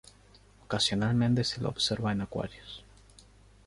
Ocasionalmente se lo observa en acuarios.